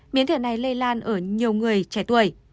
biến thể này lây lan ở nhiều người trẻ tuổi